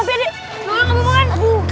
dede gak apa apa kan dede